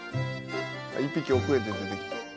「１匹遅れて出てきた」